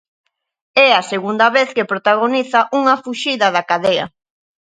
É a segunda vez que protagoniza unha fuxida da cadea.